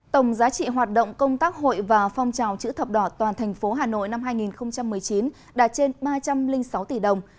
tổng giá trị hoạt động công tác hội và phong trào chữ thập đỏ toàn thành phố hà nội năm hai nghìn một mươi chín đạt trên ba trăm linh sáu tỷ đồng